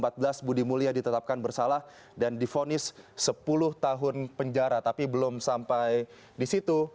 pada enam belas juli dua ribu empat belas budi mulya ditetapkan bersalah dan difonis sepuluh tahun penjara tapi belum sampai di situ